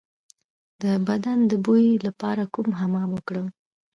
د بدن د بوی لپاره کوم حمام وکړم؟